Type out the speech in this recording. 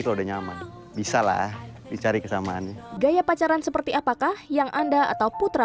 terlalu nyaman bisa lah dicari kesamaannya gaya pacaran seperti apakah yang anda atau putra